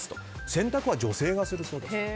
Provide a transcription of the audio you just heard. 洗濯は女性がするそうです。